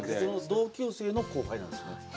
同級生の後輩なんです。